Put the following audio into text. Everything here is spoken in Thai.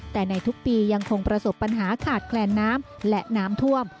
แต่ในทุกปียังคงประสบปัญหาขาดแคลนน้ำและน้ำท่วม